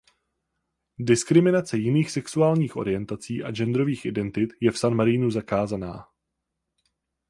Diskriminace jiných sexuálních orientací a genderových identit je v San Marinu zakázaná.